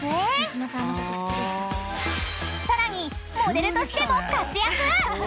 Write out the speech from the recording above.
［さらにモデルとしても活躍］